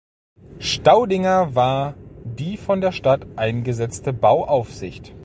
Staudinger war die von der Stadt eingesetzte Bauaufsicht.